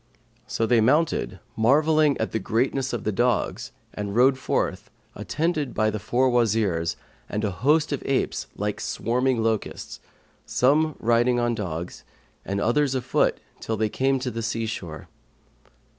So they mounted, marvelling at the greatness of the dogs, and rode forth, attended by the four Wazirs and a host of apes like swarming locusts, some riding on dogs and others afoot till they came to the sea shore.